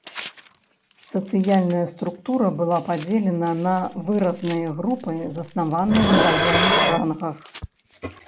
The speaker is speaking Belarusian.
Сацыяльная структура была падзелена на выразныя групы, заснаваныя на ваенных рангах.